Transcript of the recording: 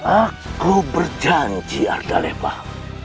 aku berjanji arda lebah